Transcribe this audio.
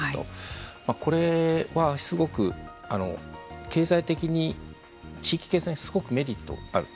これはすごく経済的に地域経済にすごくメリットあると。